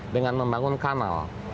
dengan membangun kanal